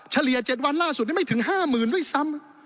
เฉลี่ย๗วันล่าสุดนี้ไม่ถึง๕๐๐๐ด้วยซ้ำ